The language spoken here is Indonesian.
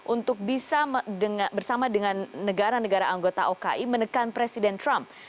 untuk bisa bersama dengan negara negara anggota oki menekan presiden trump